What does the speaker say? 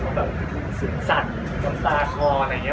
มันก็แบบเสียงสันตำตาคออะไรอย่างนี้